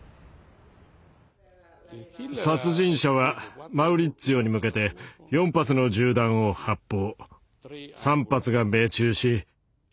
殺人者はマウリッツィオに向けて４発の銃弾を発砲。